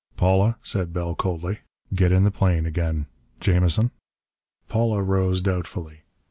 "Paula," said Bell coldly, "get in the plane again. Jamison " Paula rose doubtfully.